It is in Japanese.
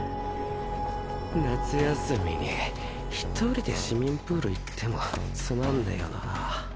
夏休みに一人で市民プール行ってもつまんねぇよな。